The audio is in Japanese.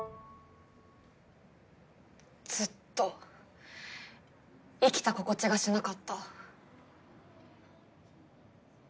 ずっと生きた心地がしなかった。